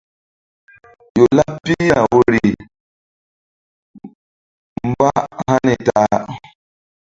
Ƴo laɓ pihna woyri mbáhani ta a.